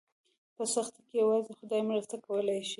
په سختۍ کې یوازې خدای مرسته کولی شي.